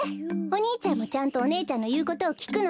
お兄ちゃんもちゃんとお姉ちゃんのいうことをきくのよ？